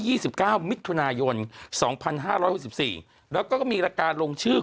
สิบเก้ามิถุนายนสองพันห้าร้อยหกสิบสี่แล้วก็มีรายการลงชื่อ